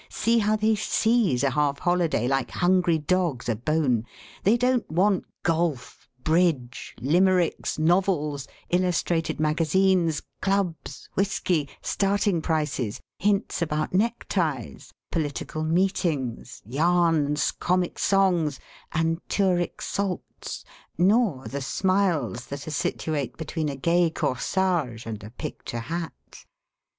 See how they seize a half holiday, like hungry dogs a bone! They don't want golf, bridge, limericks, novels, illustrated magazines, clubs, whisky, starting prices, hints about neckties, political meetings, yarns, comic songs, anturic salts, nor the smiles that are situate between a gay corsage and a picture hat.